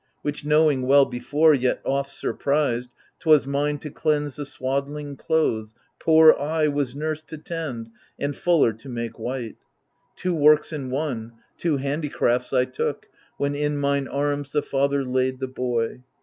Which knowing well before, yet oft surprised, 'Twas mine to cleanse the swaddling clothes — ^poor I Was nurse to tend and fuller to make white : Two works in one, two handicrafts I took, When in mine arms the father laid the boy.